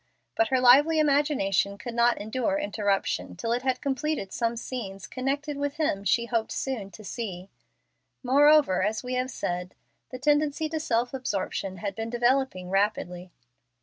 But her lively imagination could not endure interruption till it had completed some scenes connected with him she hoped so soon to see. Moreover, as we have said, the tendency to self absorption had been developing rapidly.